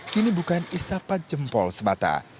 kini bukan isapat jempol semata